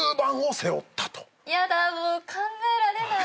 やだもう考えられない。